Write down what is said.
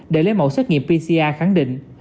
để lấy mẫu xét nghiệm pcr khẳng định